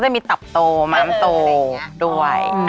จะมีตับโตม้ามโตด้วย